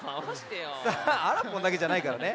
あらぽんだけじゃないからね。